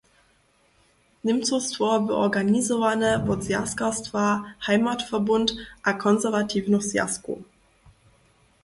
Němcowstwo bě organizowane wot zwjazkarstwa Heimatverbund a konserwatiwnych zwjazkow.